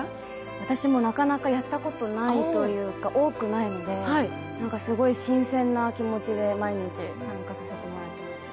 私もなかなかやったことないというか多くないので、すごい新鮮な気持ちで毎日参加させてもらっていますね。